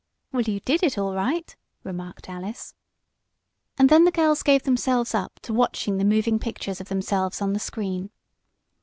"Well, you did it all right," remarked Alice. And then the girls gave themselves up to watching the moving pictures of themselves on the screen.